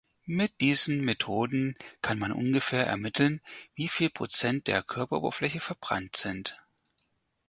Mit diesen Methoden kann man ungefähr ermitteln, wie viel Prozent der Körperoberfläche verbrannt sind.